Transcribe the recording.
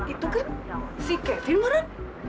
itu kan si kevin moran